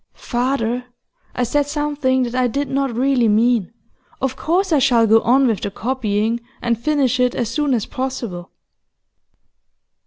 'Father, I said something that I did not really mean. Of course I shall go on with the copying and finish it as soon as possible.